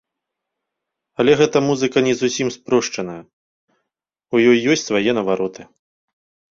Але гэтая музыка не зусім спрошчаная, ў ёй ёсць свае навароты.